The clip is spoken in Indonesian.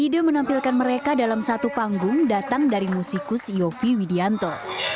ide menampilkan mereka dalam satu panggung datang dari musikus yofi widianto